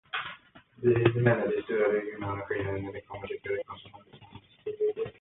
Det finns emellertid stora regionala skillnader när det kommer till förekomsten av bemannade skolbibliotek.